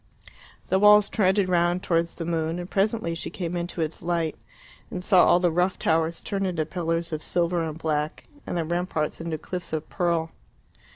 The walls trended round towards the moon; and presently she came into its light, and saw all the rough towers turn into pillars of silver and black, and the ramparts into cliffs of pearl.